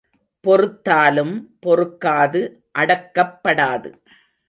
பொறுத்தாலும் பொறுக்காது அடக்கப்படாது.